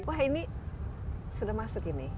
wah ini sudah masuk ini